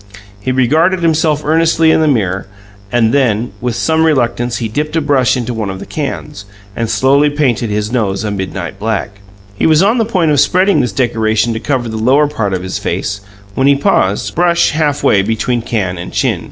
He regarded himself earnestly in the mirror; then, with some reluctance, he dipped a brush into one of the cans, and slowly painted his nose a midnight black. He was on the point of spreading this decoration to cover the lower part of his face, when he paused, brush halfway between can and chin.